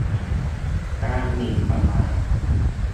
การหมิ่นประมาท